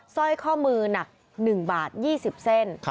สร้อยข้อมือหนัก๑บาท๒๐เส้น